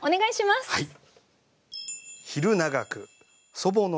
はい。